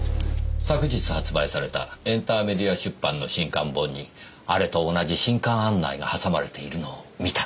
昨日発売されたエンターメディア出版の新刊本にあれと同じ新刊案内がはさまれているのを見たんです。